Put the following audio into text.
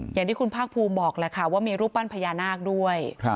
อย่างที่คุณภาคภูมิบอกแหละค่ะว่ามีรูปปั้นพญานาคด้วย